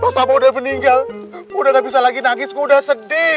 pas abah udah meninggal gua udah gak bisa lagi nangis gua udah sedih